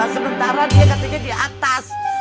sebentar lah dia katanya di atas